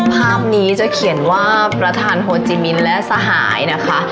ภาพนี้จะเขียนว่าประธานโฮจิมินและสหายนะคะ